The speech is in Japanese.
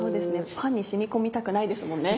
パンに染み込みたくないですもんね。